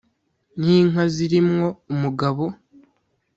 N’inka ziri mwo umugabo